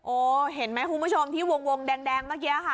เห็นไหมคุณผู้ชมที่วงแดงเมื่อกี้ค่ะ